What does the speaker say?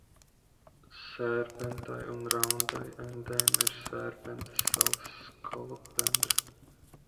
Sērpentai un Raundai endēma ir Sērpentas salas skolopendra.